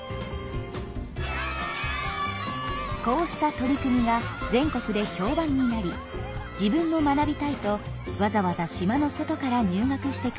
こうした取り組みは全国で評判になり自分も学びたいとわざわざ島の外から入学してくる生徒も増えました。